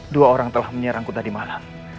dua orang telah menyerangku tadi malam